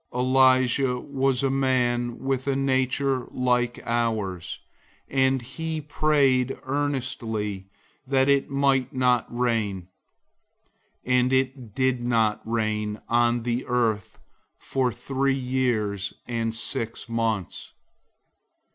005:017 Elijah was a man with a nature like ours, and he prayed earnestly that it might not rain, and it didn't rain on the earth for three years and six months.